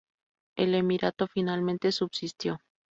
El emirato, finalmente, subsistió.